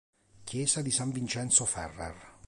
Chiesa di San Vincenzo Ferrer